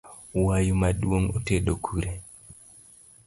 Wayu maduong’ otedo kure?